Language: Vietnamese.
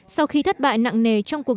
sau khi thất bại nặng nề trong cuộc